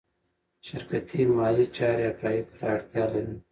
شرکتي مالي چارې حقایقو ته اړتیا لري.